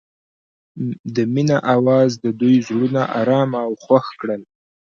د مینه اواز د دوی زړونه ارامه او خوښ کړل.